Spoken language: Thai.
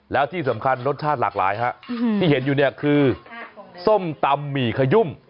แล้วที่สำคัญรสชาติหลากหลายฮะที่เห็นอยู่เนี่ยคือส้มตำหมี่ขยุ่ม